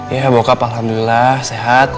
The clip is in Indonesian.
iya bokap alhamdulillah sehat